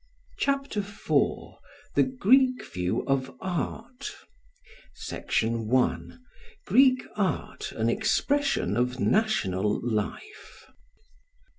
CHAPTER IV THE GREEK VIEW OF ART Section 1. Greek Art an Expression of National Life.